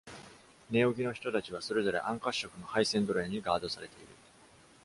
neogi の人たちは、それぞれ暗褐色の廃船奴隷にガードされている。